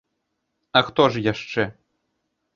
А хто ж яшчэ?